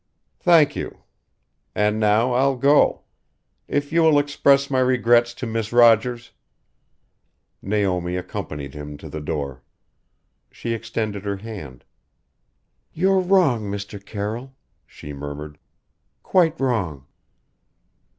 "Thank you. And now I'll go. If you will express my regrets to Miss Rogers " Naomi accompanied him to the door. She extended her hand "You're wrong, Mr. Carroll", she murmured. "Quite wrong!"